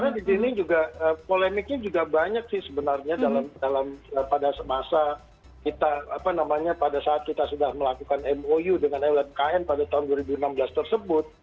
karena di sini juga polemiknya juga banyak sih sebenarnya pada masa kita apa namanya pada saat kita sudah melakukan mou dengan lmkn pada tahun dua ribu enam belas tersebut